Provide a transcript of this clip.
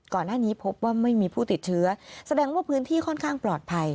ก่อนหน้านี้พบว่าไม่มีผู้ติดเชื้อแสดงว่าพื้นที่ค่อนข้างปลอดภัย